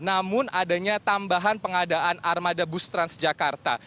namun adanya tambahan pengadaan armada bus transjakarta